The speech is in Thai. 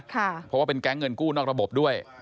เพราะว่าเป็นแก๊งเงินกู้นอกระบบด้วย